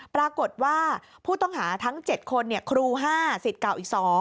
ปรากฏว่าผู้ต้องหาทั้ง๗คนครู๕สิทธิ์เก่าอีก๒